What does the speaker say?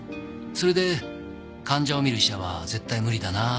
それで患者を診る医者は絶対無理だなと思って。